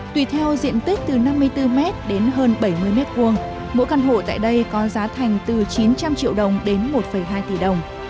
tùy theo diện tích từ năm mươi bốn m đến hơn bảy mươi m hai mỗi căn hộ tại đây có giá thành từ chín trăm linh triệu đồng đến một hai tỷ đồng